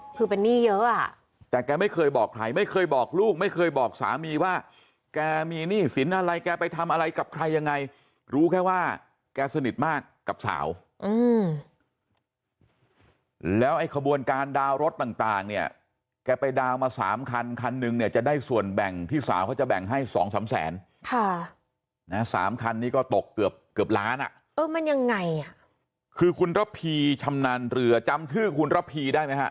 ก็ตกเกือบเกือบล้านอ่ะเออมันยังไงอ่ะคือคุณระพีชำนันเหลือจำถึงคุณระพีได้ไหมฮะ